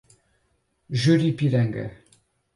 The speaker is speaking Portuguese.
Juripiranga